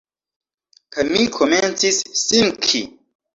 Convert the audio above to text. Kaj mi komencis sinki.